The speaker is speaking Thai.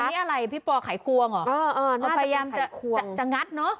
อันนี้อะไรพี่ป่อไขควงอ่ะเออเออน่าจะเป็นไขควงจะจะงัดเนอะ